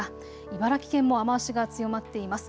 茨城県も雨足が強まっています。